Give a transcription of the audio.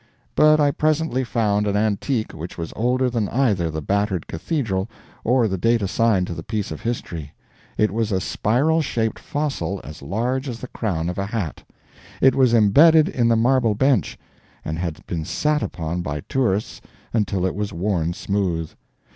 But I presently found an antique which was older than either the battered Cathedral or the date assigned to the piece of history; it was a spiral shaped fossil as large as the crown of a hat; it was embedded in the marble bench, and had been sat upon by tourists until it was worn smooth.